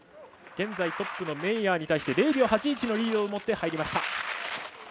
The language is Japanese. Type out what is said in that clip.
現在トップのメイヤーに対して０秒８１のリードを持って入りました。